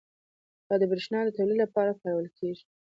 دا د بریښنا د تولید لپاره کارول کېږي.